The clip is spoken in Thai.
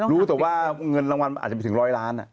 รู้แต่ว่าเงินรางวัลมันอาจจะไปถึง๑๐๐ล้าน